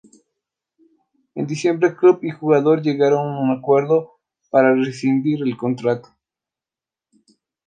En diciembre club y jugador llegaron a un acuerdo para rescindir el contrato.